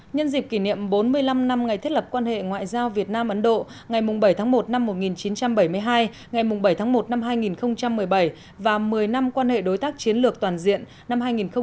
nhân dịp kỷ niệm bốn mươi năm năm ngày thiết lập quan hệ ngoại giao việt nam ấn độ ngày bảy tháng một năm một nghìn chín trăm bảy mươi hai ngày bảy tháng một năm hai nghìn một mươi bảy và một mươi năm quan hệ đối tác chiến lược toàn diện năm hai nghìn một mươi chín